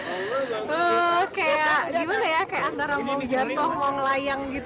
kayak gimana ya kayak antara mau jatuh mau ngelayang gitu